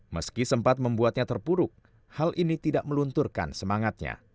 meski sempat membuatnya terpuruk hal ini tidak melunturkan semangatnya